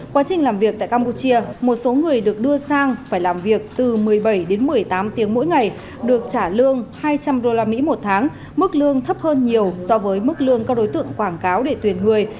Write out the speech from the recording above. quá trình làm việc tại campuchia một số người được đưa sang phải làm việc từ một mươi bảy đến một mươi tám tiếng mỗi ngày được trả lương hai trăm linh usd một tháng mức lương thấp hơn nhiều so với mức lương các đối tượng quảng cáo để tuyển người